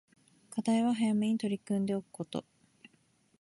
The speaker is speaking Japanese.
課題は早めに取り組んでおくこと